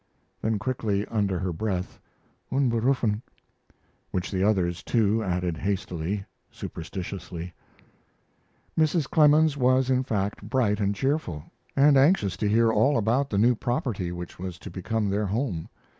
Then quickly, under her breath, "Unberufen," which the others, too, added hastily superstitiously. Mrs. Clemens was, in fact, bright and cheerful, and anxious to hear all about the new property which was to become their home.